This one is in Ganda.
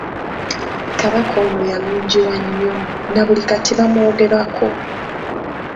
Kabaka ono yalungiwa nnyo, na buli kati bamwogerako.